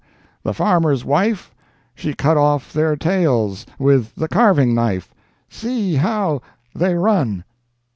The farmer's wife, She cut off their tails With the carving knife, See—how—they run."